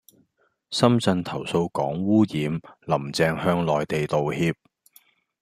深圳投訴港污染,林鄭向內地道歉